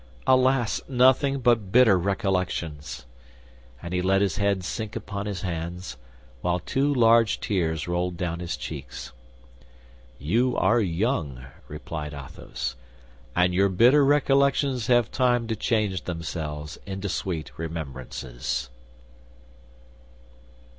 "Alas! nothing but bitter recollections." And he let his head sink upon his hands, while two large tears rolled down his cheeks. "You are young," replied Athos; "and your bitter recollections have time to change themselves into sweet remembrances."